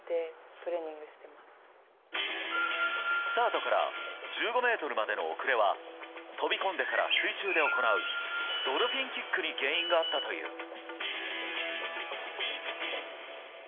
スタートから１５ｍまでの遅れは飛び込んでから水中で行うドルフィンキックに原因があったという。